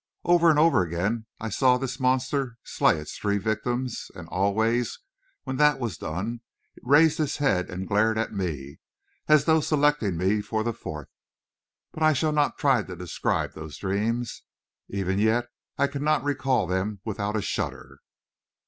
Over and over again I saw this monster slay its three victims; and always, when that was done, it raised its head and glared at me, as though selecting me for the fourth.... But I shall not try to describe those dreams; even yet I cannot recall them without a shudder.